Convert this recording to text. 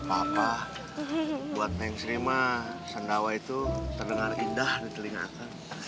apa apa buat neng cinema sandawa itu terdengar indah di telinga aku